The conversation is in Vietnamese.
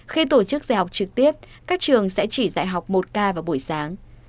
khi tổ chức dạy học trực tiếp các trường sẽ chỉ dạy học một k vào buổi sáng